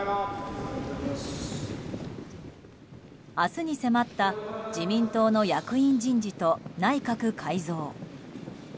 明日に迫った自民党の役員人事と内閣改造。